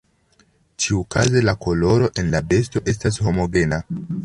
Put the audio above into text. Ĉiukaze la koloro en la besto estas homogena.